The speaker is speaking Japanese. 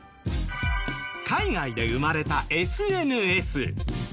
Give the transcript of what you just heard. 海外で生まれたＳＮＳ。